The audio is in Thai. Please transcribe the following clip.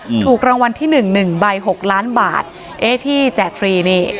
ถูกรางวัลที่หนึ่งหนึ่งใบหกล้านบาทเอ๊ะที่แจกฟรีนี่